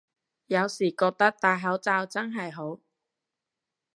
有時覺得戴口罩真係好